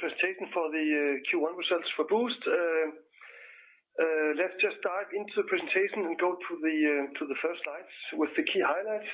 the presentation for the Q1 results for Boozt. Let's just dive into the presentation and go to the first slides with the key highlights.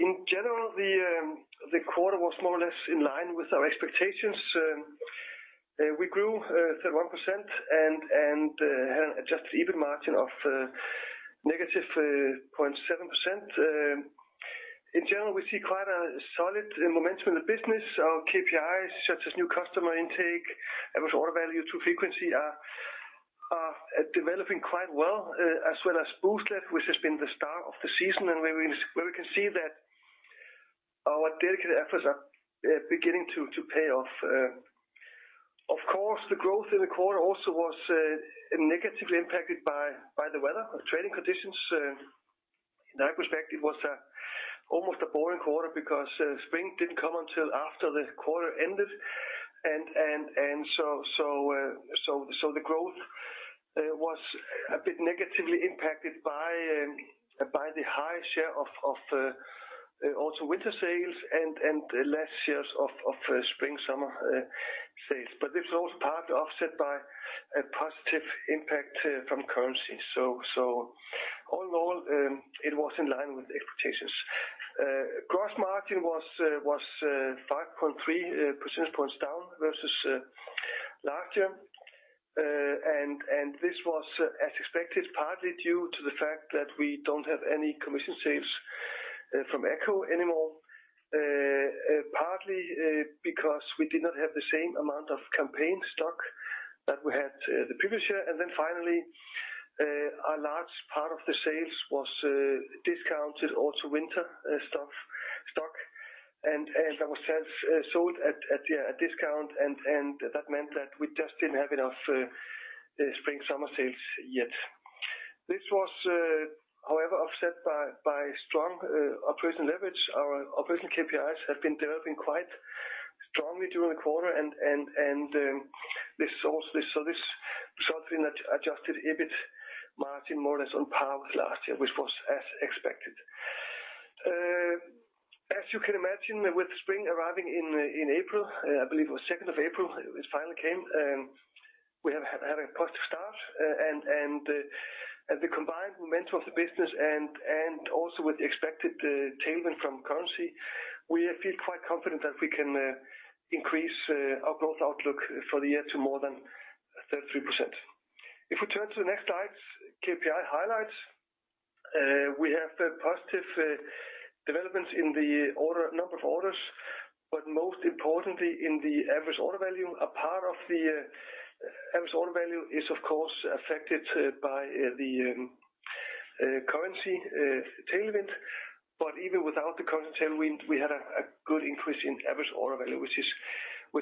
In general, the quarter was more or less in line with our expectations. We grew 31% and had Adjusted EBIT margin of negative 0.7%. In general, we see quite a solid momentum in the business. Our KPIs, such as new customer intake, average order value true frequency are developing quite well, as well as Booztlet, which has been the star of the season, and where we can see that our dedicated efforts are beginning to pay off. Of course, the growth in the quarter also was negatively impacted by the weather, the trading conditions. In that respect, it was almost a boring quarter because spring didn't come until after the quarter ended. So the growth was a bit negatively impacted by the high share of also winter sales and the less shares of spring, summer sales. But this was also partly offset by a positive impact from currency. So all in all, it was in line with the expectations. Gross margin was 5.3 percentage points down versus last year. And this was, as expected, partly due to the fact that we don't have any commission sales from ECCO anymore, partly because we did not have the same amount of campaign stock that we had the previous year. And then finally, a large part of the sales was discounted, also winter stuff, stock, and that was sold at a discount, and that meant that we just didn't have enough spring, summer sales yet. This was, however, offset by strong operation leverage. Our operation KPIs have been developing quite strongly during the quarter, and this also resulting in a Adjusted EBIT margin, more or less on par with last year, which was as expected. As you can imagine, with spring arriving in April, I believe it was second of April, it finally came, we have had a positive start, and the combined momentum of the business and also with the expected tailwind from currency, we feel quite confident that we can increase our growth outlook for the year to more than 33%. If we turn to the next slide, KPI highlights, we have the positive developments in the number of orders, but most importantly, in the average order volume. A part of the average order value is, of course, affected by the currency tailwind, but even without the current tailwind, we had a good increase in average order value, which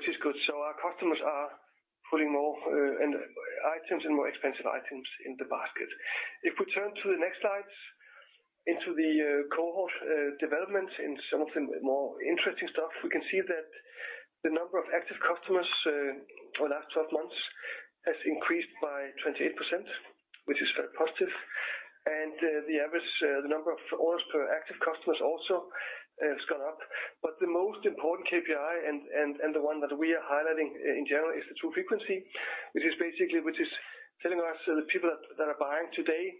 is good. So our customers are putting more in items and more expensive items in the basket. If we turn to the next slides, into the cohort developments in some of the more interesting stuff, we can see that the number of active customers for the last 12 months has increased by 28%, which is very positive. And the average, the number of orders per active customers also has gone up. But the most important KPI, and the one that we are highlighting in general, is the true frequency, which is basically, which is telling us the people that are buying today,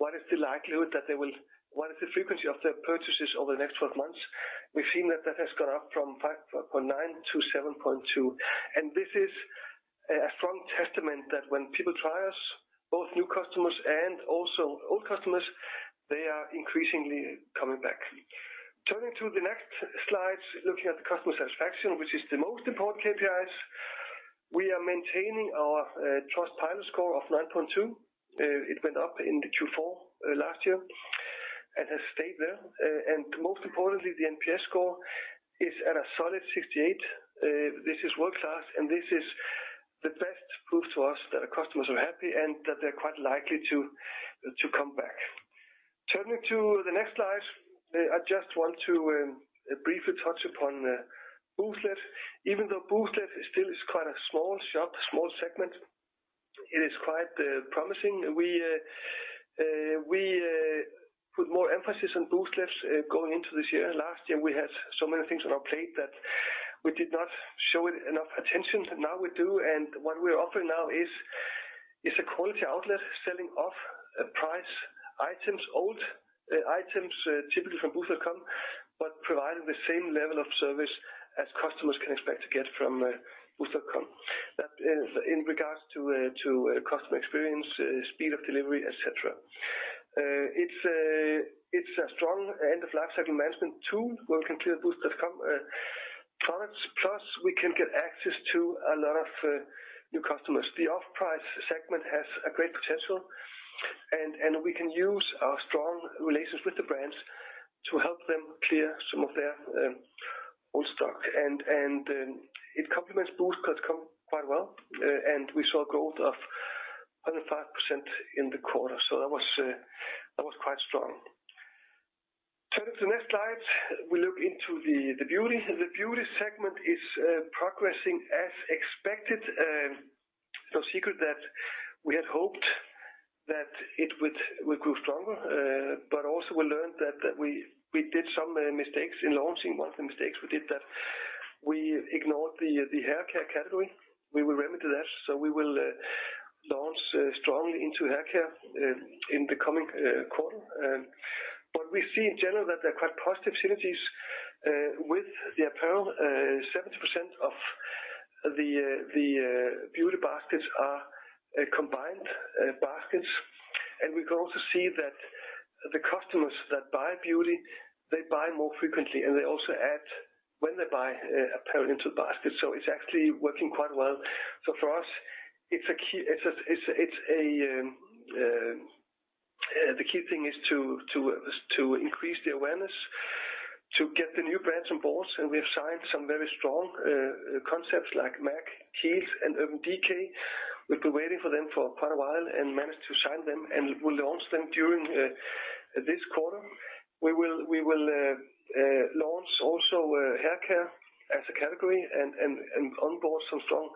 what is the likelihood that they will—what is the frequency of their purchases over the next 12 months? We've seen that that has gone up from 5.9 to 7.2, and this is a strong testament that when people try us, both new customers and also old customers, they are increasingly coming back. Turning to the next slide, looking at the customer satisfaction, which is the most important KPIs, we are maintaining our Trustpilot score of 9.2. It went up in the Q4 last year and has stayed there. And most importantly, the NPS score is at a solid 68. This is world-class, and this is the best proof to us that our customers are happy and that they're quite likely to come back. Turning to the next slide, I just want to briefly touch upon Booztlet. Even though Booztlet still is quite a small shop, small segment, it is quite promising. We put more emphasis on Booztlet going into this year. Last year, we had so many things on our plate that we did not show it enough attention, but now we do, and what we're offering now is a quality outlet, selling off price items, old items, typically from Boozt.com, but providing the same level of service as customers can expect to get from Boozt.com. That is in regards to customer experience, speed of delivery, et cetera. It's a strong end-of-life cycle management tool, where we can clear Boozt.com products, plus we can get access to a lot of new customers. The off-price segment has a great potential, and we can use our strong relations with the brands to help them clear some of their old stock. It complements Boozt.com quite well, and we saw a growth of 105% in the quarter, so that was quite strong. Turning to the next slide, we look into the beauty. The beauty segment is progressing as expected. No secret that we had hoped that it would grow stronger, but also we learned that we did some mistakes in launching. One of the mistakes we did, that we ignored the haircare category. We will remedy that, so we will launch strongly into haircare in the coming quarter. But we see in general that there are quite positive synergies with the apparel. Seventy percent of the beauty baskets are combined baskets. And we can also see that the customers that buy beauty, they buy more frequently, and they also add when they buy apparel into the basket. So it's actually working quite well. So for us, it's a key thing is to increase the awareness, to get the new brands on board, and we have signed some very strong concepts like MAC, Kiehl's and Urban Decay. We've been waiting for them for quite a while and managed to sign them, and we'll launch them during this quarter. We will launch also haircare as a category and onboard some strong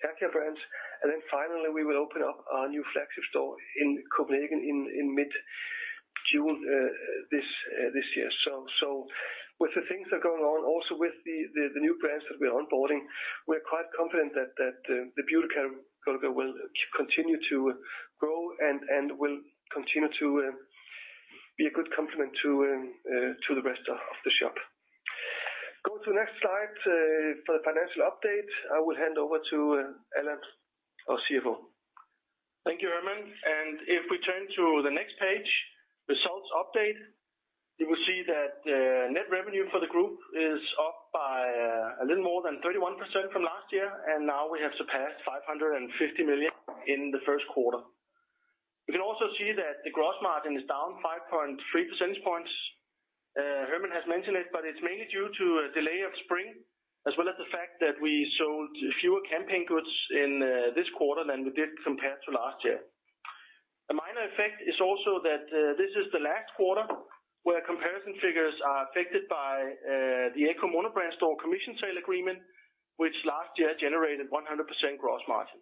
haircare brands. And then finally, we will open up our new flagship store in Copenhagen in mid-June this year. So with the things that are going on, also with the new brands that we're onboarding, we're quite confident that the beauty category will continue to grow and will continue to be a good complement to the rest of the shop. Go to the next slide for the financial update. I will hand over to Allan, our CFO. Thank you, Hermann. And if we turn to the next page, results update, you will see that net revenue for the group is up by a little more than 31% from last year, and now we have surpassed 550 million in the first quarter. You can also see that the gross margin is down 5.3 percentage points. Hermann has mentioned it, but it's mainly due to a delay of spring, as well as the fact that we sold fewer campaign goods in this quarter than we did compared to last year. A minor effect is also that this is the last quarter where comparison figures are affected by the ECCO monobrand store commission sale agreement, which last year generated 100% gross margin.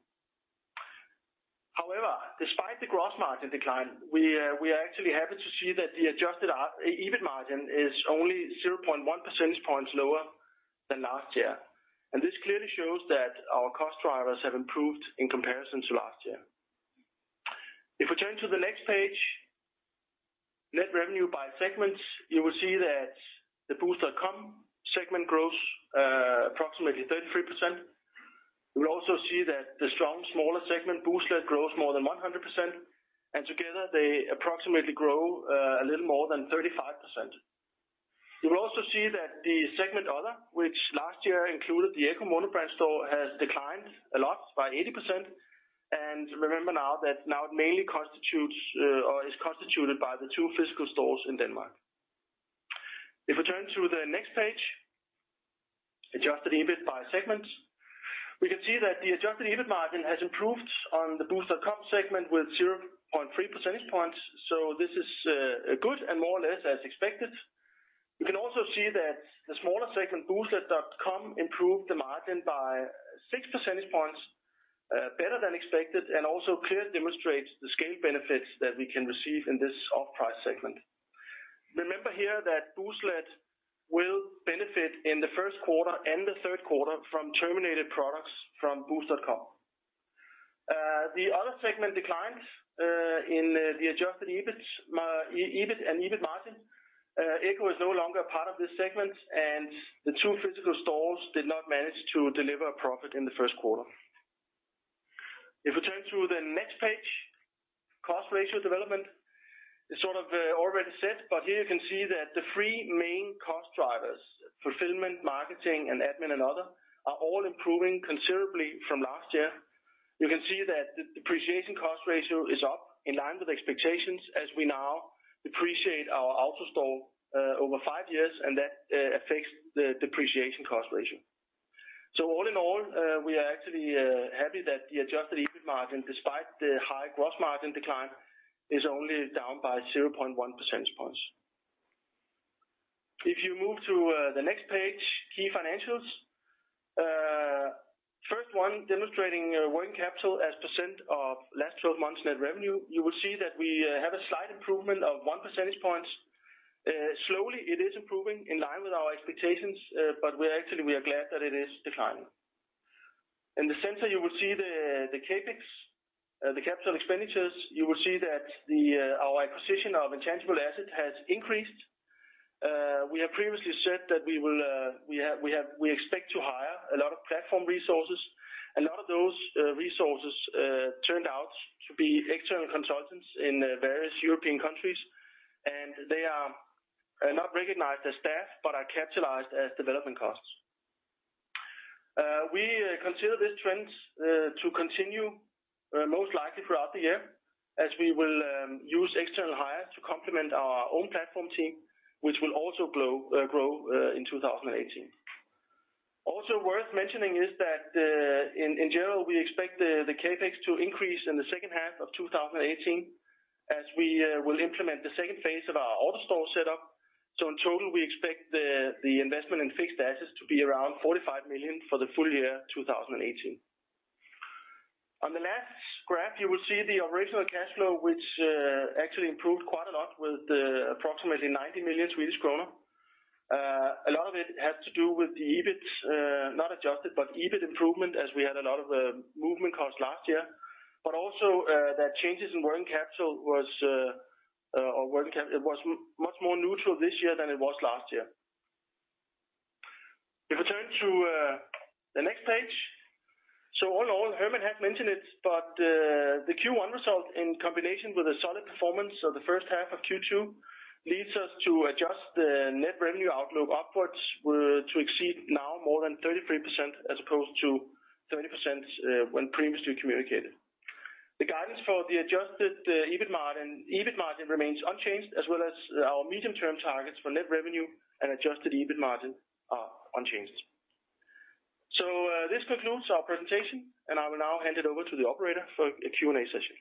However, despite the gross margin decline, we, we are actually happy to see that the adjusted EBIT margin is only 0.1 percentage points lower than last year. And this clearly shows that our cost drivers have improved in comparison to last year. If we turn to the next page, net revenue by segments, you will see that the Boozt.com segment grows approximately 33%. You will also see that the strong, smaller segment, Booztlet, grows more than 100%, and together, they approximately grow a little more than 35%. You will also see that the segment Other, which last year included the ECCO monobrand store, has declined a lot, by 80%. And remember now that now it mainly constitutes or is constituted by the two physical stores in Denmark. If we turn to the next page, Adjusted EBIT by segments, we can see that the Adjusted EBIT margin has improved on the Boozt.com segment with 0.3 percentage points, so this is, good and more or less as expected. You can also see that the smaller segment, Booztlet.com, improved the margin by 6 percentage points, better than expected, and also clearly demonstrates the scale benefits that we can receive in this off-price segment. Remember here that Booztlet.com will benefit in the first quarter and the third quarter from terminated products from Boozt.com. The other segment declines in the Adjusted EBIT, EBIT and EBIT margin. ECCO is no longer a part of this segment, and the two physical stores did not manage to deliver a profit in the first quarter. If we turn to the next page, cost ratio development is sort of already set, but here you can see that the three main cost drivers, fulfillment, marketing, and admin and other, are all improving considerably from last year. You can see that the depreciation cost ratio is up in line with expectations as we now depreciate our AutoStore over 5 years, and that affects the depreciation cost ratio. So all in all, we are actually happy that the adjusted EBIT margin, despite the high gross margin decline, is only down by 0.1 percentage points. If you move to the next page, key financials. First one, demonstrating working capital as % of last 12 months net revenue, you will see that we have a slight improvement of 1 percentage points. Slowly, it is improving in line with our expectations, but we're actually, we are glad that it is declining. In the center, you will see the CapEx, the capital expenditures. You will see that our acquisition of intangible asset has increased. We have previously said that we will, we expect to hire a lot of platform resources. A lot of those resources turned out to be external consultants in various European countries, and they are not recognized as staff, but are capitalized as development costs. We consider these trends to continue most likely throughout the year, as we will use external hire to complement our own platform team, which will also grow in 2018. Also worth mentioning is that, in general, we expect the CapEx to increase in the second half of 2018 as we will implement the second phase of our AutoStore setup. So in total, we expect the investment in fixed assets to be around 45 million for the full year, 2018. On the last graph, you will see the operational cash flow, which actually improved quite a lot with approximately 90 million Swedish kronor. A lot of it has to do with the EBIT, not adjusted, but EBIT improvement, as we had a lot of movement costs last year, but also that changes in working capital was much more neutral this year than it was last year. If we turn to the next page, so all in all, Hermann had mentioned it, but the Q1 result, in combination with a solid performance of the first half of Q2, leads us to adjust the net revenue outlook upwards to exceed now more than 33%, as opposed to 30%, when previously communicated. The guidance for the adjusted EBIT margin, EBIT margin remains unchanged, as well as our medium-term targets for net revenue and adjusted EBIT margin are unchanged. So this concludes our presentation, and I will now hand it over to the operator for a Q&A session.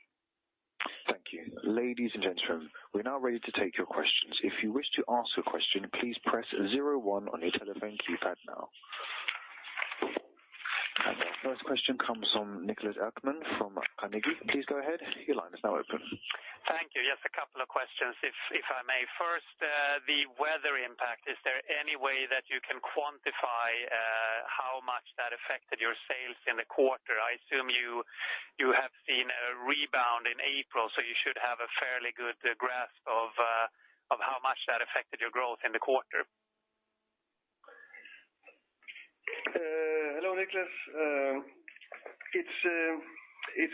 Thank you. Ladies and gentlemen, we're now ready to take your questions. If you wish to ask a question, please press zero one on your telephone keypad now. The first question comes from Niklas Ekman from Carnegie. Please go ahead. Your line is now open. Thank you. Just a couple of questions, if I may. First, the weather impact, is there any way that you can quantify how much that affected your sales in the quarter? I assume you have seen a rebound in April, so you should have a fairly good grasp of how much that affected your growth in the quarter. Hello, Niklas. It's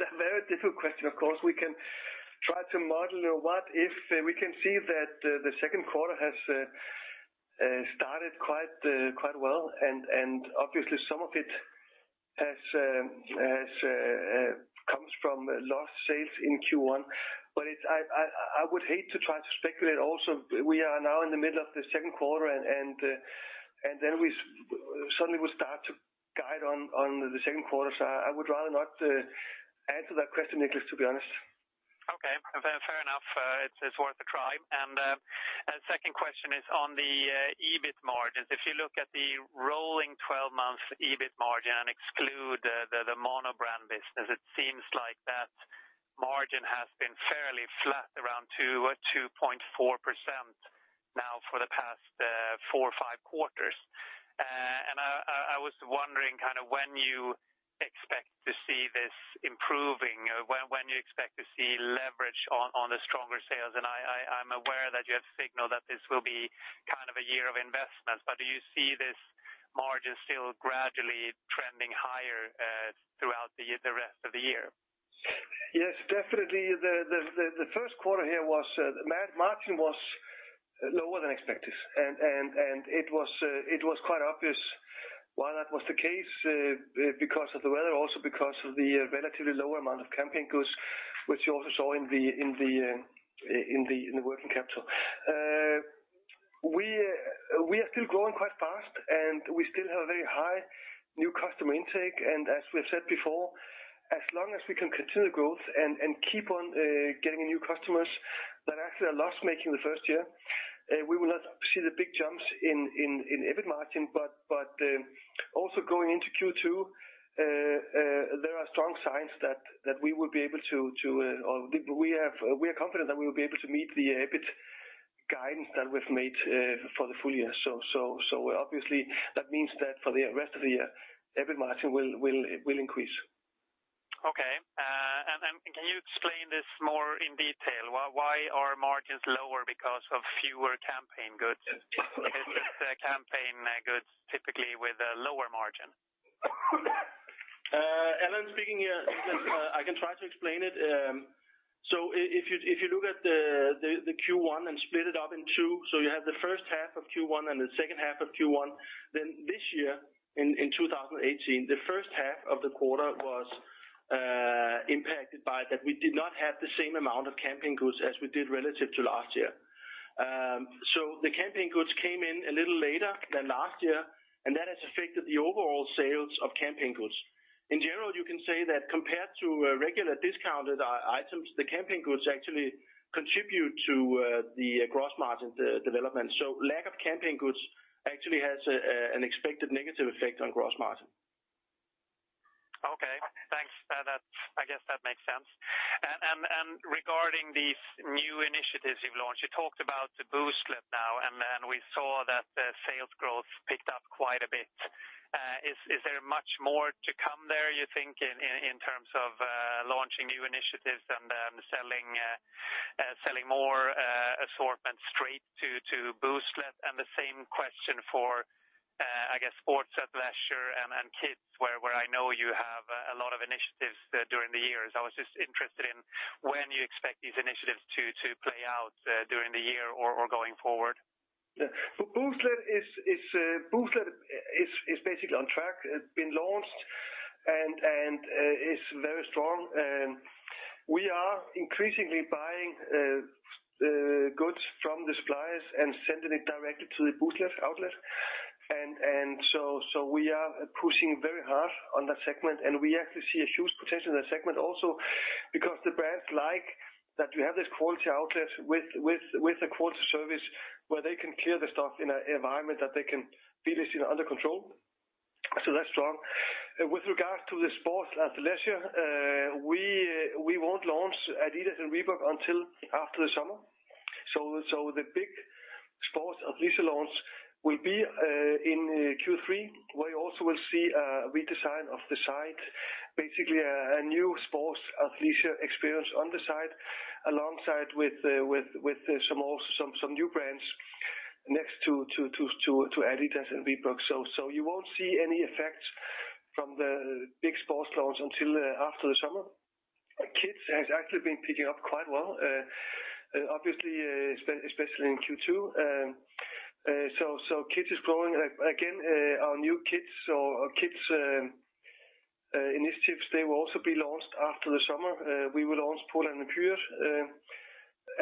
a very difficult question. Of course, we can try to model what if. We can see that the second quarter has started quite well, and obviously some of it has come from lost sales in Q1. But I would hate to try to speculate. Also, we are now in the middle of the second quarter, and then we suddenly will start to guide on the second quarter. So I would rather not answer that question, Niklas, to be honest. Okay, fair enough. It's worth a try. And second question is on the EBIT margins. If you look at the rolling 12-month EBIT margin and exclude the monobrand business, it seems like that margin has been fairly flat, around 2 or 2.4% now for the past 4 or 5 quarters. And I was wondering kind of when you expect to see this improving, when you expect to see leverage on the stronger sales? And I'm aware that you have signaled that this will be kind of a year of investment, but do you see this margin still gradually trending higher throughout the year, the rest of the year? Yes, definitely. The first quarter here was margin was lower than expected, and it was quite obvious why that was the case, because of the weather, also because of the relatively lower amount of campaign goods, which you also saw in the working capital. We are still growing quite fast, and we still have a very high new customer intake, and as we have said before, as long as we can continue growth and keep on getting new customers that actually are loss-making the first year, we will not see the big jumps in EBIT margin. But also going into Q2, there are strong signs that we will be able to, or we are confident that we will be able to meet the EBIT guidance that we've made for the full year. So obviously, that means that for the rest of the year, EBIT margin will increase. Okay, can you explain this more in detail? Why are margins lower because of fewer campaign goods? Is the campaign goods typically with a lower margin? Allan speaking here. I can try to explain it. So if you look at the Q1 and split it up in two, so you have the first half of Q1 and the second half of Q1, then this year, in 2018, the first half of the quarter was impacted by that. We did not have the same amount of campaign goods as we did relative to last year. So the campaign goods came in a little later than last year, and that has affected the overall sales of campaign goods. In general, you can say that compared to regular discounted items, the campaign goods actually contribute to the gross margin development. So lack of campaign goods actually has an expected negative effect on gross margin. Okay, thanks. I guess that makes sense. And regarding these new initiatives you've launched, you talked about the Booztlet now, and we saw that the sales growth picked up quite a bit. Is there much more to come there, you think, in terms of launching new initiatives and selling more assortment straight to Booztlet? And the same question for, I guess, sports and leisure and kids, where I know you have a lot of initiatives during the years. I was just interested in when you expect these initiatives to play out during the year or going forward. Yeah. So Booztlet is basically on track. It's been launched and is very strong, and we are increasingly buying goods from the suppliers and sending it directly to the Booztlet outlet. And so we are pushing very hard on that segment, and we actually see a huge potential in that segment also, because the brands like that we have this quality outlet with a quality service, where they can clear the stuff in an environment that they can feel is, you know, under control. So that's strong. With regards to the sports and leisure, we won't launch Adidas and Reebok until after the summer. So the big sports athleisure launch will be in Q3, where you also will see a redesign of the site, basically a new sports athleisure experience on the site, alongside with some new brands next to Adidas and Reebok. So you won't see any effects from the big sports launch until after the summer. Kids has actually been picking up quite well, obviously, especially in Q2. So, kids is growing. Again, our new kids, so our kids initiatives, they will also be launched after the summer. We will launch Polarn O. Pyret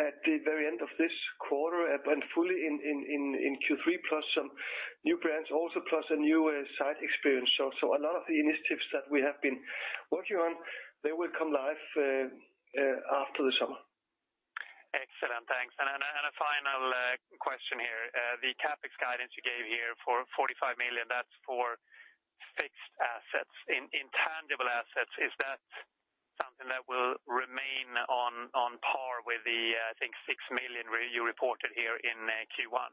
at the very end of this quarter, and fully in Q3, plus some new brands, also, plus a new site experience. So, a lot of the initiatives that we have been working on, they will come live after the summer. Excellent. Thanks. And a final question here. The CapEx guidance you gave here for 45 million, that's for fixed assets. Intangible assets, is that something that will remain on par with the I think 6 million where you reported here in Q1?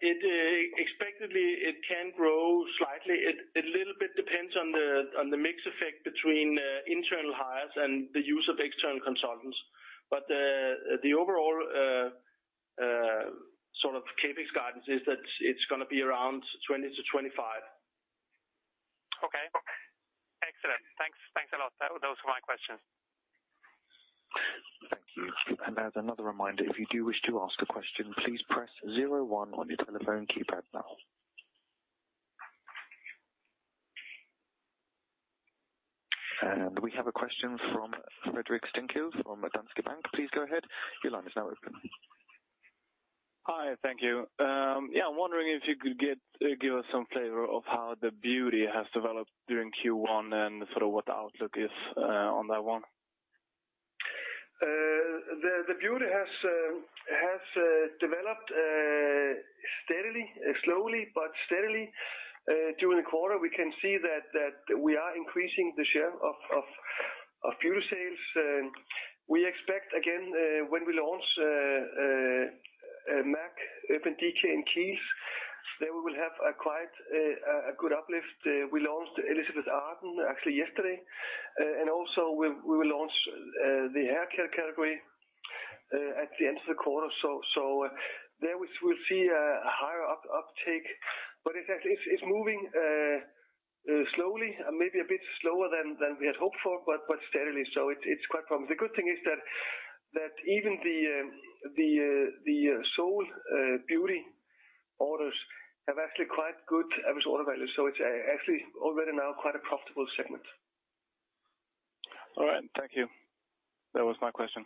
It expectedly can grow slightly. It a little bit depends on the mix effect between internal hires and the use of external consultants. But the overall sort of CapEx guidance is that it's gonna be around 20-25. Okay. Excellent. Thanks. Thanks a lot. Those were my questions. Thank you. And as another reminder, if you do wish to ask a question, please press zero one on your telephone keypad now. And we have a question from Fredrik Stenkil from Danske Bank. Please go ahead. Your line is now open. Hi, thank you. Yeah, I'm wondering if you could give us some flavor of how the beauty has developed during Q1 and sort of what the outlook is, on that one. The beauty has developed steadily, slowly, but steadily during the quarter. We can see that we are increasing the share of beauty sales. We expect, again, when we launch MAC, Urban Decay, and Kiehl's that we will have a quite a good uplift. We launched Elizabeth Arden, actually yesterday, and also we will launch the haircare category at the end of the quarter. So there we'll see a higher uptake, but in fact, it's moving slowly, maybe a bit slower than we had hoped for, but steadily, so it's quite promising. The good thing is that even the soul beauty orders have actually quite good average order value, so it's actually already now quite a profitable segment. All right, thank you. That was my question.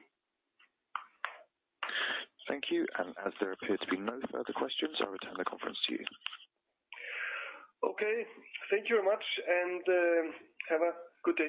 Thank you. As there appear to be no further questions, I'll return the conference to you. Okay, thank you very much, and, have a good day.